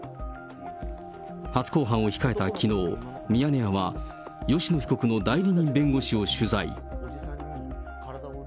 初公判を控えたきのう、ミヤネ屋は、吉野被告の代理人弁護士を取材。